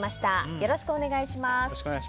よろしくお願いします。